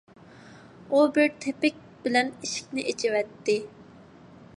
ئۇ بىر تېپىك بىلەن ئىشىكنى ئېچىۋەتتى.